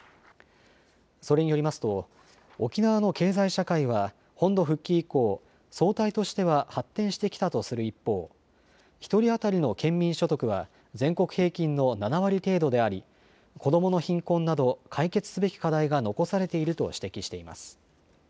それによりますと沖縄の経済社会は本土復帰以降、総体としては発展してきたとする一方、１人当たりの県民所得は全国平均の７割程度であり子どもの貧困など解決すべき課題が残されていると指摘しています。